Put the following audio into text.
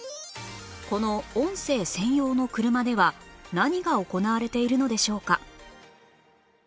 この音声専用の車では何が行われているのでしょうか？